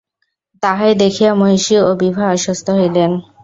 তাহাই দেখিয়া মহিষী ও বিভা আশ্বস্ত হইলেন!